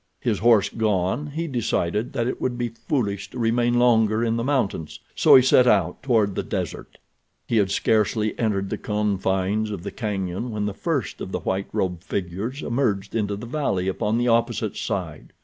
His horse gone, he decided that it would be foolish to remain longer in the mountains, so he set out toward the desert. He had scarcely entered the confines of the cañon when the first of the white robed figures emerged into the valley upon the opposite side.